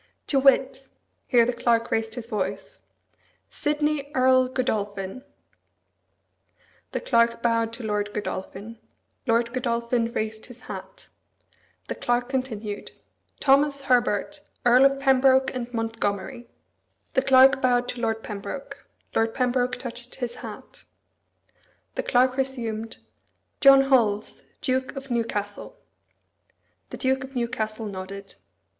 "To wit " Here the Clerk raised his voice. "Sidney Earl Godolphin." The Clerk bowed to Lord Godolphin. Lord Godolphin raised his hat. The Clerk continued, "Thomas Herbert, Earl of Pembroke and Montgomery." The Clerk bowed to Lord Pembroke. Lord Pembroke touched his hat. The Clerk resumed, "John Holles, Duke of Newcastle." The Duke of Newcastle nodded.